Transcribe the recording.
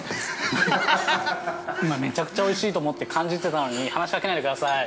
今、めちゃくちゃおいしいと思って、感じてたのに話しかけないでください。